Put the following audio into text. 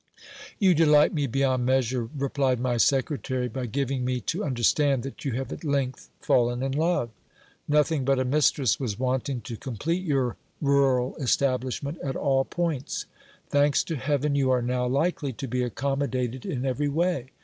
You delight me beyond measure, replied my secretary, by giving me to un derstand that you have at length fallen in love. Nothing but a mistress was wanting to complete your rural establishment at all points. Thanks to Hea ven, you are now likely to be accommodated in every way.